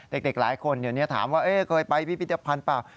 เด็กหลายคนเดี๋ยวนี้ถามว่าเคยไปพิพิธภัณฑ์เปล่า